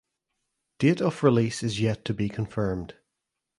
Date of release is yet to be confirmed.